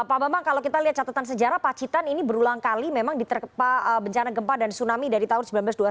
pak bambang kalau kita lihat catatan sejarah pacitan ini berulang kali memang diterkepa bencana gempa dan tsunami dari tahun seribu sembilan ratus dua puluh